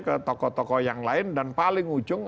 ke tokoh tokoh yang lain dan paling ujung